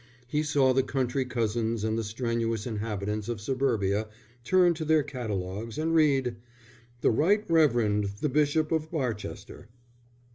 He saw the country cousins and the strenuous inhabitants of Suburbia turn to their catalogues, and read: THE RIGHT REVEREND THE BISHOP OF BARCHESTER.